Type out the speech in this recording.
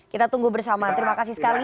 kita tunggu bersama terima kasih sekali